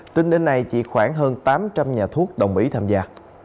tính đến nay chỉ khoảng hơn tám trăm linh nhà thuốc đồng ý tham gia